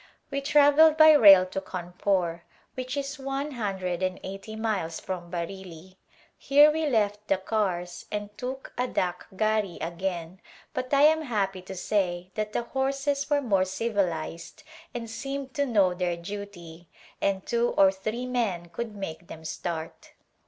We travelled by rail to Cawnpore which is one hundred and eighty miles from Bareilly. Here we left the cars and took a dak gar'i again but I am happy to say that the horses were more civilized and seemed to know their duty, ancjjgl^ or three men could make them start.